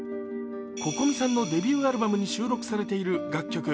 Ｃｏｃｏｍｉさんのデビューアルバムに収録されている楽曲